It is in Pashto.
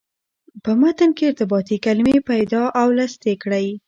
په متن کې ارتباطي کلمې پیدا او لست یې کړئ.